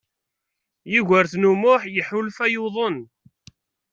Yugurten U Muḥ iḥulfa yuḍen.